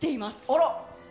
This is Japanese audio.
あら！